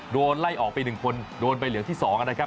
โดนไล่ออกไป๑คนโดนไปเหลืองที่๒นะครับ